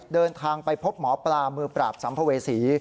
เดินทางไปพบหมอปลามือปราบสัมภเวษี